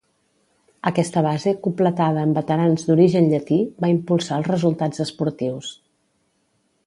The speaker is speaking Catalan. Aquesta base, completada amb veterans d'origen llatí, va impulsar els resultats esportius.